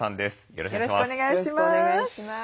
よろしくお願いします。